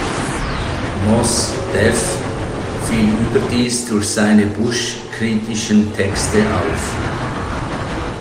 Mos Def fiel überdies durch seine Bush-kritischen Texte auf.